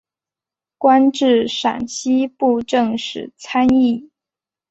官至陕西布政使参议。